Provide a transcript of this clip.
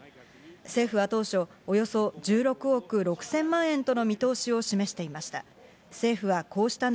政府は当初およそ１６億６０００万円との見通しを示していました。